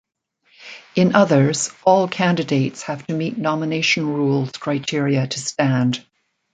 In others all candidates have to meet nomination rules criteria to stand.